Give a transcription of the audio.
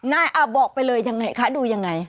บอกไปเลยยังไงคะดูยังไง